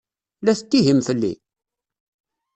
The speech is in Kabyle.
La tettihimt fell-i?